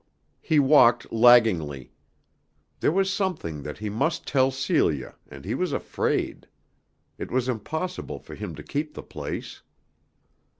He walked laggingly. There was something that he must tell Celia and he was afraid. It was impossible for him to keep the place.